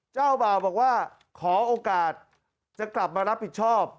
เจ้าบ่าวบอกว่าขอโอกาสจะกลับมารับผิดชอบ